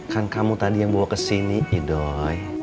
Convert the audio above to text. kan kamu tadi yang bawa kesini doi